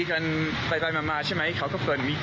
ถ่ายคลิปจะลอง